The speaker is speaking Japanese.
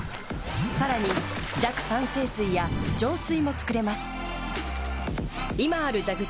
さらに弱酸性水や浄水も作れます。